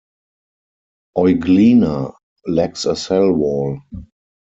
"Euglena" lacks a cell wall.